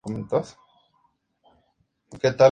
vamos, chicos. vamos.